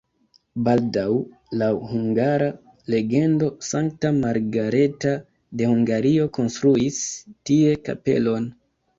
Baldaŭ laŭ hungara legendo Sankta Margareta de Hungario konstruis tie kapelon.